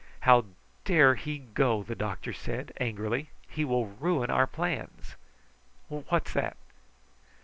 "How dare he go!" the doctor said angrily. "He will ruin our plans! What's that?"